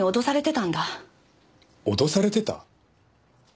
脅されてた？